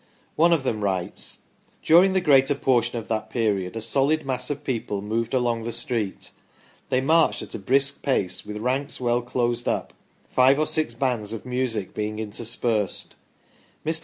One of them writes :" During the greater portion of that period a solid mass of people moved along the street. They marched at a brisk pace, with ranks well closed up, five or six bands of music being interspersed. Mr.